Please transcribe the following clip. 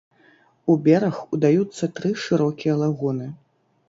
У бераг удаюцца тры шырокія лагуны.